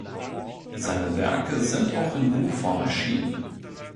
Seine Werke sind auch in Buchform erschienen.